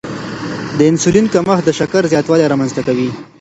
د انسولین کمښت د شکر زیاتوالی رامنځته کوي.